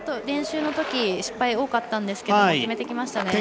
練習のとき、失敗多かったんですが決めてきました。